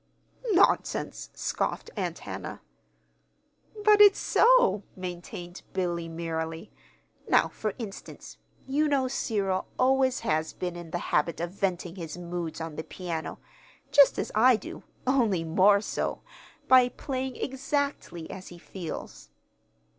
"Nonsense!" scoffed Aunt Hannah. "But it's so," maintained Billy, merrily. "Now, for instance. You know Cyril always has been in the habit of venting his moods on the piano (just as I do, only more so) by playing exactly as he feels.